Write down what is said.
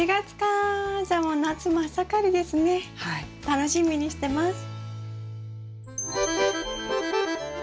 楽しみにしてます。